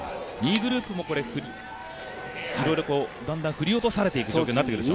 ２位グループもいろいろだんだん振り落とされていく段階になってますかね。